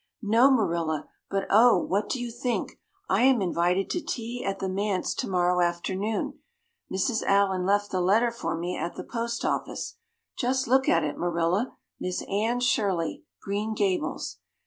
"No, Marilla, but oh, what do you think? I am invited to tea at the manse tomorrow afternoon! Mrs. Allan left the letter for me at the post office. Just look at it, Marilla. 'Miss Anne Shirley, Green Gables.